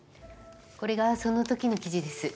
これがそのときの記事です。